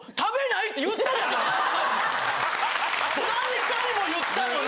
何回も言ったのに。